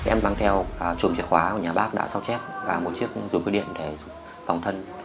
em băng theo trùm chìa khóa của nhà bác đã sao chép và một chiếc dùng cái điện để phòng thân